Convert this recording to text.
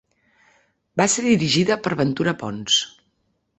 Va ser dirigida per Ventura Pons.